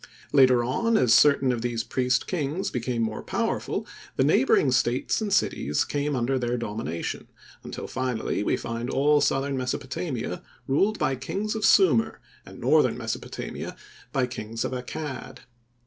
Later on as certain of these priest kings became more powerful, the neighboring states and cities came under their domination, until finally we find all southern Mesopotamia ruled by kings of Sumir, and northern Mesopotamia by kings of Accad.